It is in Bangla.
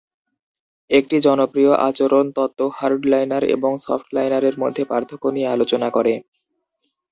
একটি জনপ্রিয় আচরণ তত্ত্ব হার্ড-লাইনার এবং সফট-লাইনারের মধ্যে পার্থক্য নিয়ে আলোচনা করে।